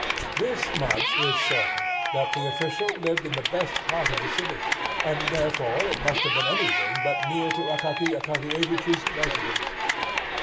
This much is certain, that the official lived in the best part of the city; and therefore it must have been anything but near to Akaky Akakiyevich's residence.